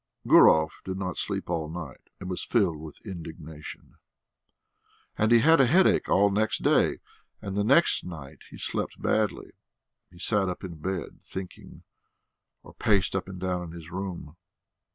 Gurov did not sleep all night, and was filled with indignation. And he had a headache all next day. And the next night he slept badly; he sat up in bed, thinking, or paced up and down his room.